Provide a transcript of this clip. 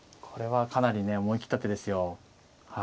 これはかなりね思い切った手ですよ。